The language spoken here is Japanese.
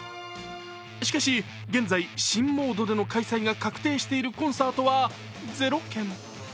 しかし現在、新モードでの開催が確定しているコンサートは０件。